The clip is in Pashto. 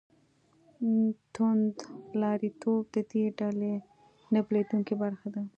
توندلاریتوب د دې ډلې نه بېلېدونکې برخه ده.